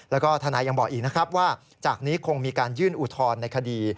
แล้วก็ทนายยังบอกอีกนะครับว่าจากนี้คงมีการยื่นอุทธรณ์ในคดี